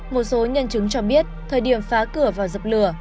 một số nhân chứng cho biết thời điểm phá cửa vào dập lửa